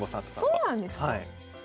あそうなんですか。